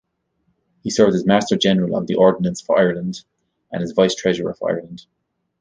He served as Master-General of the Ordnance for Ireland and as Vice-Treasurer for Ireland.